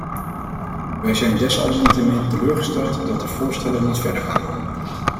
Wij zijn desalniettemin teleurgesteld dat de voorstellen niet verder gaan.